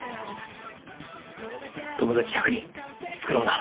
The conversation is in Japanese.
友達１００人作ろうな。